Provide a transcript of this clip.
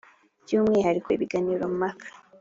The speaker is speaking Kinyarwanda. Byu mwihariko, ibiganiro mpaka